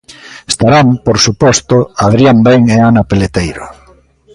Estarán, por suposto, Adrián Ben e Ana Peleteiro.